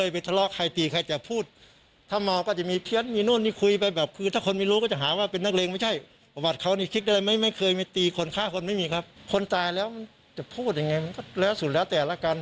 ปล่อยไปตามกฎหมายของบ้านเมืองแล้วกัน